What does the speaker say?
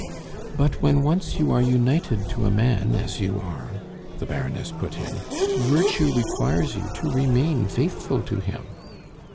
"But when once you are united to a man as you are," the Baroness put in, "virtue requires you to remain faithful to him."